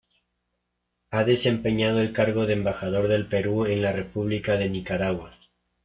Ha desempeñado el cargo de Embajador del Perú en la República de Nicaragua.